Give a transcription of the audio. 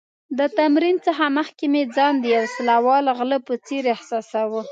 د تمرین څخه مخکې مې ځان د یو وسله وال غله په څېر احساساوه.